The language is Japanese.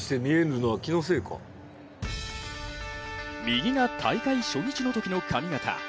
右が大会初日のときの髪形。